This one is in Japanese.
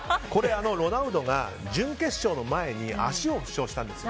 ロナウドが準決勝の前に足を負傷したんでです。